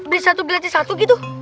bisa satu ganti satu gitu